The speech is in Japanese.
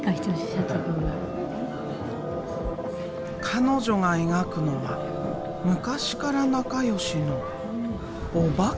彼女が描くのは昔から仲良しのおばけ？